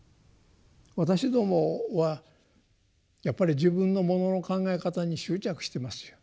私どもはやっぱり自分のものの考え方に執着してますよ。